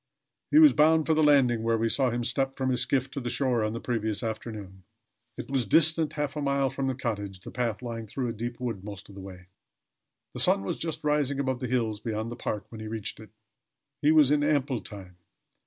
He was bound for the landing where we saw him step from his skiff to the shore on the previous afternoon. It was distant half a mile from the cottage, the path lying through a deep wood most of the way. The sun was just rising above the hills beyond the park when he reached it. He was in ample time.